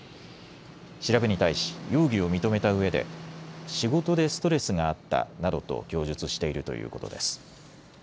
調べに対し容疑を認めたうえで仕事でストレスがあったなどと供述しているということです。